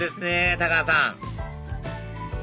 太川さん